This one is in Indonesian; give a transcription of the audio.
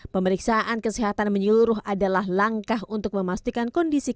pemeriksaan kesehatan menyeluruh adalah langkah untuk memastikan kondisinya